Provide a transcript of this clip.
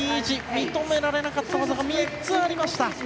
認められなかった技が３つありました。